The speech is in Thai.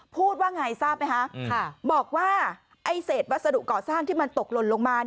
พูดว่าไงทราบไหมคะบอกว่าไอ้เศษวัสดุก่อสร้างที่มันตกหล่นลงมา